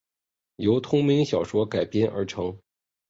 由同名小说改编而成。